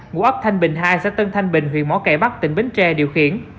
ngụ ấp thanh bình hai xã tân thanh bình huyện mỏ cải bắc tỉnh bến tre điều khiển